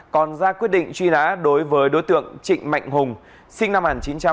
còn ra quyết định truy nã đối với đối tượng trịnh mạnh hùng sinh năm một nghìn chín trăm tám mươi